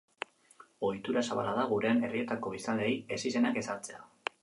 Ohitura zabala da gurean herrietako biztanleei ezizenak jartzea.